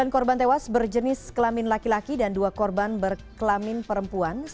sembilan korban tewas berjenis kelamin laki laki dan dua korban berkelamin perempuan